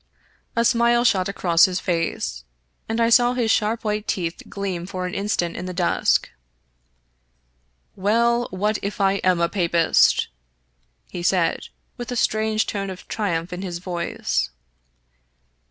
A smile shot across his face, and I saw his sharp white teeth gleam for an instant in the dusk. " Well, what if I am a Papist ?" he said, with a strange tone of triumph in his voice.